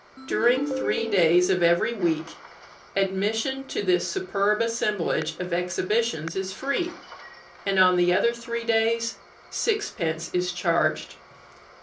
During three days of every week admission to this superb assemblage of exhibitions is free, and on the other three days sixpence is charged.